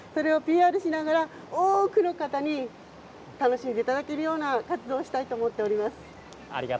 ＰＲしながら多くの方に楽しんでいただけるような活動をしたいと思っております。